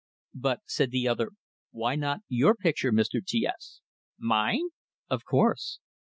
"But," said the other, "why not your picture, Mr. T S?" "Mine?" "Of course."